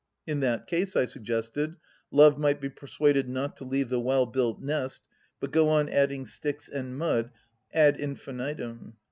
In that case, I suggested, Love might be persuaded not to "leave the well built nest," but go on adding sticks and mud ad infinitum.